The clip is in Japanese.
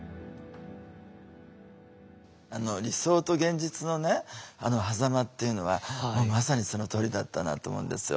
理想と現実のねはざまっていうのはまさにそのとおりだったなと思うんですよ。